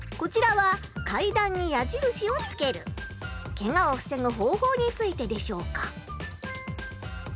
こちらはケガを防ぐ方法についてでしょうか？